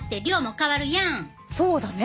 そうだね。